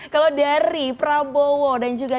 kalau dari prabowo dan juga